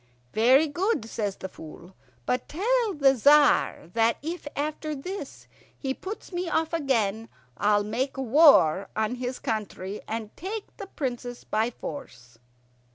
"Very good," says the Fool; "but tell the Tzar that if after this he puts me off again, I'll make war on his country, and take the Princess by force."